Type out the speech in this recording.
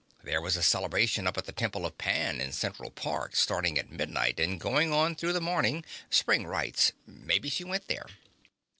There was a celebration up at the Temple of Pan in Central Park, starting at midnight, and going on through the morning. Spring Rites. Maybe she went there."